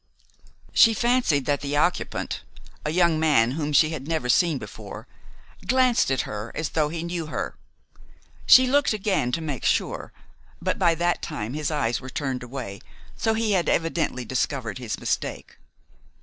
She fancied that the occupant, a young man whom she had never seen before, glanced at her as though he knew her. She looked again to make sure; but by that time his eyes were turned away, so he had evidently discovered his mistake.